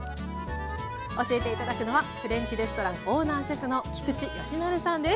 教えて頂くのはフレンチレストランオーナーシェフの菊地美升さんです。